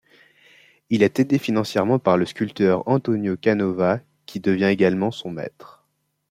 Il est aidé financièrement par le sculpteur Antonio Canova, qui devient également son maître.